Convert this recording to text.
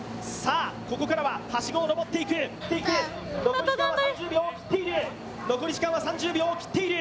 ここからははしごを上っていく、残り時間は３０秒を切っている。